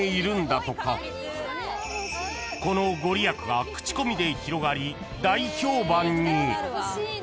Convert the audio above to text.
［この御利益が口コミで広がり大評判に］